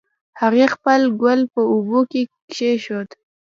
هغې خپل ګل په اوبو کې کېښود